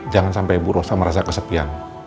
jangan sampai bu rosa merasa kesepian